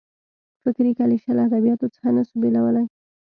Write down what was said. فکري کلیشه له ادبیاتو څخه نه سو بېلولای.